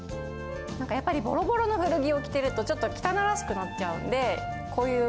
なんかやっぱりボロボロの古着を着てるとちょっと汚らしくなっちゃうんでこういう。